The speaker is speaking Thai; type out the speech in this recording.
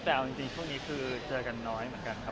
แต่เอาจริงช่วงนี้คือเจอกันน้อยเหมือนกันครับ